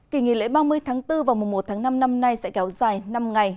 kỳ nghỉ lễ ba mươi tháng bốn vào mùa một tháng năm năm nay sẽ kéo dài năm ngày